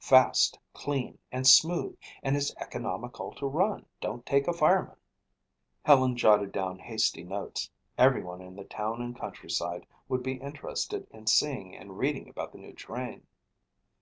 Fast, clean and smooth and it's economical to run. Don't take a fireman." Helen jotted down hasty notes. Everyone in the town and countryside would be interested in seeing and reading about the new train.